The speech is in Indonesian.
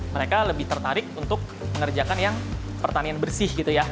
mereka lebih tertarik untuk mengerjakan yang pertanian bersih gitu ya